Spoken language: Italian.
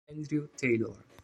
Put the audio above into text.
Andrew Taylor